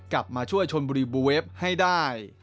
กลับมาช่วยชนบุรีบูเวฟให้ได้